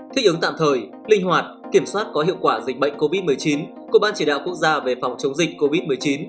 thích ứng tạm thời linh hoạt kiểm soát có hiệu quả dịch bệnh covid một mươi chín của ban chỉ đạo quốc gia về phòng chống dịch covid một mươi chín